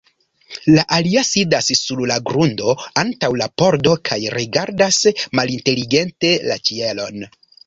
La alia sidas sur la grundo antaŭ la pordo kaj rigardas malinteligente la ĉielon.